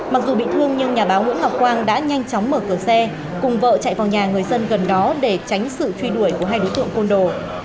mặc dù bị thương nhưng nhà báo nguyễn ngọc quang đã nhanh chóng mở cửa xe cùng vợ chạy vào nhà người dân gần đó để tránh sự truy đuổi của hai đối tượng côn đồ